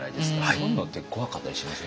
そういうのって怖かったりしません？